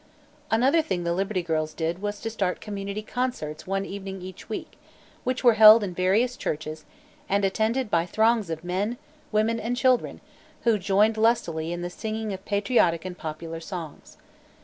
Another thing the Liberty Girls did was to start "Community Concerts" one evening each week, which were held in various churches and attended by throngs of men, women and children who joined lustily in the singing of patriotic and popular songs.